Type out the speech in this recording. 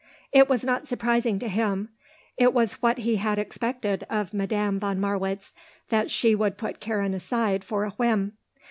It was not surprising to him; it was what he had expected of Madame von Marwitz, that she would put Karen aside for a whim.